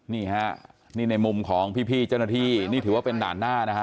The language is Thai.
นี่ฮะนี่ในมุมของพี่เจ้าหน้าที่นี่ถือว่าเป็นด่านหน้านะฮะ